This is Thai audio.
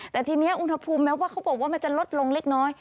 แต่ทีนี้อุณหภูมิแม้ว่าเขาบอกว่ามันจะลดลงเล็กน้อย